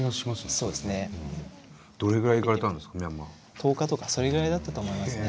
１０日とかそれぐらいだったと思いますね。